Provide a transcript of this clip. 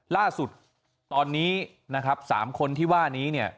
ล่าสุดตอนนี้๓คนที่ว่านี้